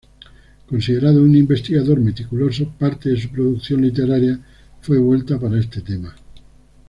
Considerado un investigador meticuloso, parte de su producción literaria fue vuelta para este tema.